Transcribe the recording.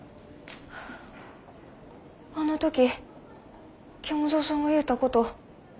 あの時虚無蔵さんが言うたこと。